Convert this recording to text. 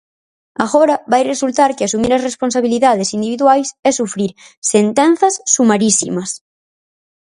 Agora vai resultar que asumir as responsabilidades individuais é sufrir "sentenzas sumarísimas".